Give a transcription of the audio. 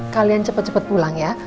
kalian cepat cepat pulang ya